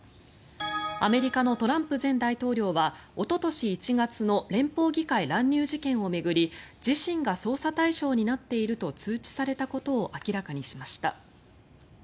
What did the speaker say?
アメリカのトランプ前大統領はおととし１月の連邦議会乱入事件を巡り自身が捜査対象になっていると通知されたことを明らかにしました。